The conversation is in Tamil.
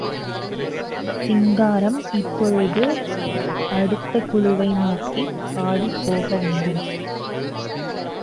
சிங்காரம் இப்பொழுது அடுத்த குழுவை நோக்கிப் பாடிப் போக வேண்டும்.